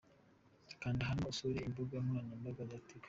Kanda hano usure imbuga nkoranyambaga za Tigo :.